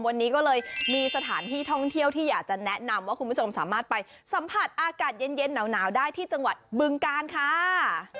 วันนี้ก็เลยมีสถานที่ท่องเที่ยวที่อยากจะแนะนำว่าคุณผู้ชมสามารถไปสัมผัสอากาศเย็นหนาวได้ที่จังหวัดบึงการค่ะ